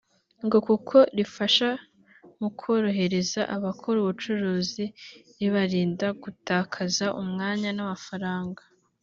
ngo kuko rifasha mu korohereza abakora ubucuruzi ribarinda gutakaza umwanya n’amafaranga